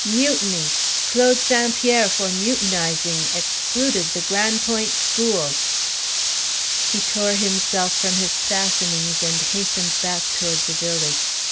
mutiny! Claude St. Pierre, for mutinizing, excluded the Gran' Point' school." He tore himself from his fastenings and hastened back toward the village.